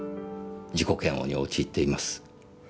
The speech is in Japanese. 自己嫌悪に陥っています。